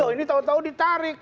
ini tahu tahu ditarik